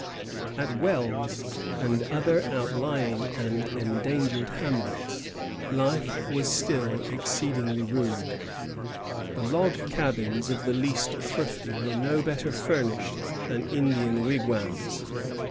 At Wells and other outlying and endangered hamlets life was still exceedingly rude. The log cabins of the least thrifty were no better furnished than Indian wigwams.